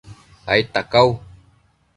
aidta cau